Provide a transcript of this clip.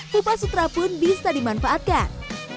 kupa sutra pun bisa dimanfaatkan